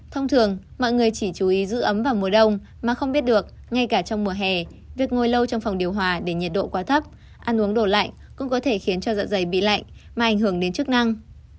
thông thường mọi người chỉ chú ý giữ ấm vào mùa đông mà không biết được ngay cả trong mùa hè việc ngồi lâu trong phòng điều hòa để nhiệt độ quá thấp ăn uống đồ lạnh cũng có thể khiến cho dạ dày bị lạnh mà ảnh hưởng đến chức năng